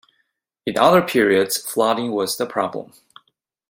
In other periods, flooding was the problem.